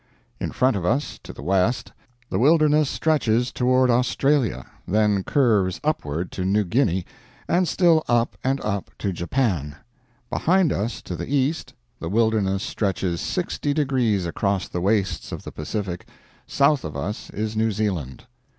In front of us, to the west, the wilderness stretches toward Australia, then curves upward to New Guinea, and still up and up to Japan; behind us, to the east, the wilderness stretches sixty degrees across the wastes of the Pacific; south of us is New Zealand.